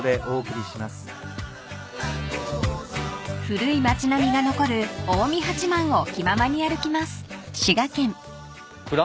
［古い町並みが残る近江八幡を気ままに歩きます］蔵？